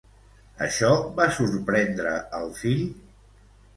Això va sorprendre el fill?